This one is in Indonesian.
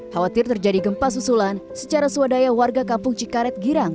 khawatir terjadi gempa susulan secara swadaya warga kampung cikaret girang